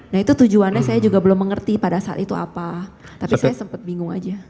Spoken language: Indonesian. nah itu tujuannya saya juga belum mengerti pada saat itu apa tapi saya sempat bingung aja